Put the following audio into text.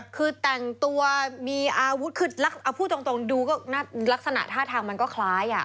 คือแต่งตัวมีอาวุธคือเอาพูดตรงดูก็ลักษณะท่าทางมันก็คล้าย